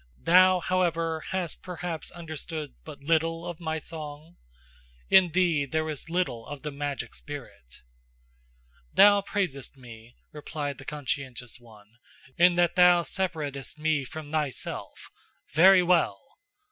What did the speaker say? Thou, however, hast perhaps understood but little of my song? In thee there is little of the magic spirit.." "Thou praisest me," replied the conscientious one, "in that thou separatest me from thyself; very well!